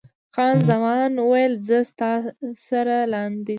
خان زمان وویل، زه هم ستا سره لاندې ځم.